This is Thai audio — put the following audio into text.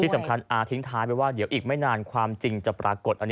สำคัญอาทิ้งท้ายไปว่าเดี๋ยวอีกไม่นานความจริงจะปรากฏ